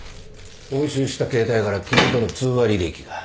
押収した携帯から君との通話履歴が。